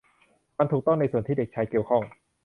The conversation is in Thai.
มันถูกต้องในส่วนที่เด็กชายเกี่ยวข้อง